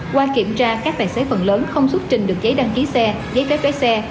qua kiểm tra các tài xế phần lớn không xuất trình được giấy đăng ký xe giấy phép lái xe